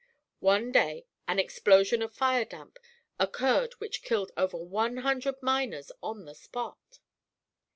One day an explosion of fire damp occurred which killed over one hundred miners on the spot.